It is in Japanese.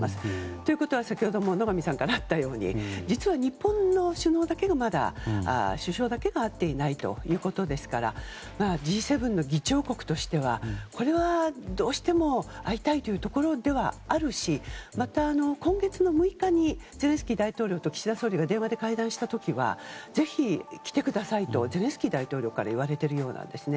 ということは先ほども野上さんからあったように実はまだ日本の首相だけだが会っていないということですからＧ７の議長国としてはこれは、どうしても会いたいというところではあるしまた、今月の６日にゼレンスキー大統領と岸田総理が電話で会談した時はぜひ来てくださいとゼレンスキー大統領から言われているようなんですね。